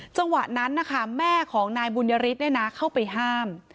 จังหวะนั้นนะคะแม่ของนายบุญยฤทธิ์เข้าไปห้าม